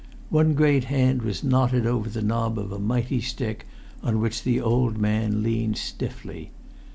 One great hand was knotted over the knob of a mighty stick, on which the old man leant stiffly.